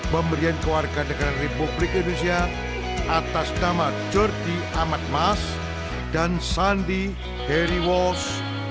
pemberian kewarganegaraan republik indonesia atas nama jordi ahmad mas dan sandi heriwos